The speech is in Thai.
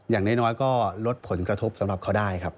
อย่างน้อยก็ลดผลกระทบสำหรับเขาได้ครับ